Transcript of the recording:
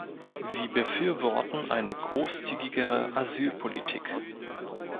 Sie befürworten eine großzügigere Asylpolitik.